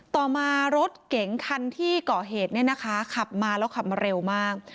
ต่อมารถเก๋งคันที่ก่อเหตุเนี่ยนะคะขับมาแล้วขับมาเร็วมาก